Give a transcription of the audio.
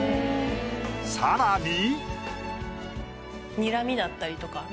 さらに。